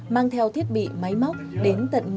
mang theo thiết bị máy móc đến tận hà nội